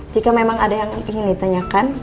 jika memang ada yang ingin ditanyakan